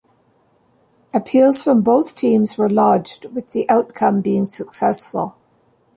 Appeals from both teams were lodged, with the outcome being successful.